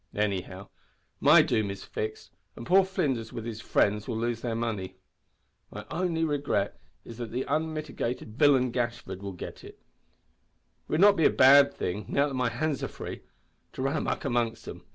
Anyhow my doom is fixed, and poor Flinders with his friends will lose their money. My only regret is that that unmitigated villain Gashford will get it. It would not be a bad thing, now that my hands are free, to run a muck amongst 'em.